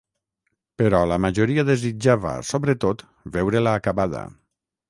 Però la majoria desitjava sobretot veure-la acabada.